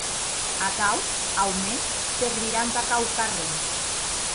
Atau, aumens, servirà entà quauquarren.